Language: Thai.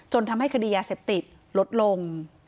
ทำให้คดียาเสพติดลดลง